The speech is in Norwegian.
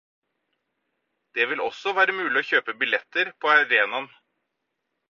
Det vil også være mulig å kjøpe billetter på arenaen.